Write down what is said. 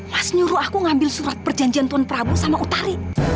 pas nyuruh aku ngambil surat perjanjian tuan prabu sama utari